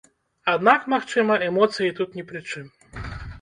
Аднак, магчыма, эмоцыі тут не пры чым.